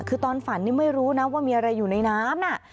คือตอนฝันนี่ไม่รู้นะว่ามีอะไรอยู่ในน้ำน่ะ